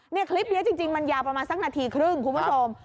นี่คลิปนี้จริงมันยาวประมาณสักนาทีครึ่งคุณผู้ชม